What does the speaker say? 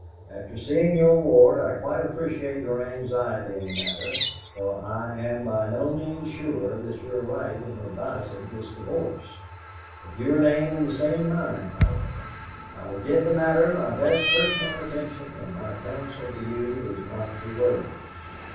After seeing your ward, I quite appreciate your anxiety in the matter, though I am by no means sure that you are right in advising this divorce. If you remain in the same mind, however, I will give the matter my best personal attention, and my counsel to you is not to worry.